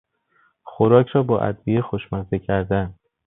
خوراک را با ادویه خوشمزه کردن